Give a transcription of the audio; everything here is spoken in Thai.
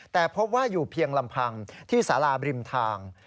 แต่พบว่าอยู่เพียงลำพังที่สาราบริมทาง